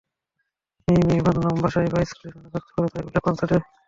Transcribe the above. মেই-মেই, মানলাম বাসায় বা স্কুলে শান্ত থাকতে পারো, তাই বলে কনসার্টে?